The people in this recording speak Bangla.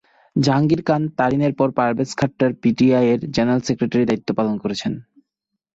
জাহাঙ্গীর খান তারিনের পর পারভেজ খাট্টার পিটিআইয়ের জেনারেল সেক্রেটারির দায়িত্ব পালন করছেন।